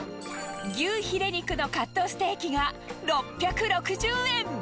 牛ヒレ肉のカットステーキが６６０円。